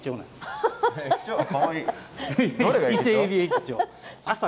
かわいい。